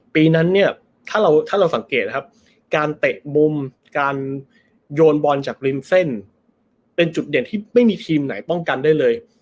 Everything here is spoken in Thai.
ปีนั้นเนี่ยถ้าเราถ้าเราสังเกตนะครับการเตะมุมการโยนบอลจากริมเส้นเป็นจุดเด่นที่ไม่มีทีมไหนป้องกันได้เลย